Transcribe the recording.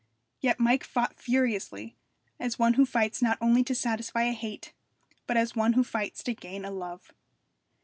Yet Mike fought furiously, as one who fights not only to satisfy a hate, but as one who fights to gain a love.